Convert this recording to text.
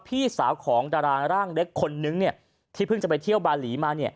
พี่สาวของดาราร่างเล็กคนนึงที่เพิ่งจะไปเที่ยวบาหลีมา